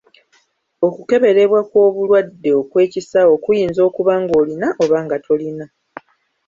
Okukeberebwa kw'obulwadde okw'ekisawo kuyinza okuba ng'olina oba nga tolina.